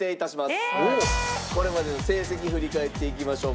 これまでの成績振り返っていきましょう。